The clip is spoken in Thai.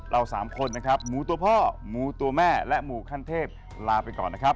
เรา๓คนหมูตัวพ่อหมูตัวแม่หมูขั้นเทพลาไปก่อน